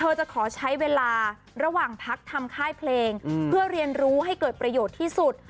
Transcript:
จะขอใช้เวลาระหว่างพักทำค่ายเพลงเพื่อเรียนรู้ให้เกิดประโยชน์ที่สุด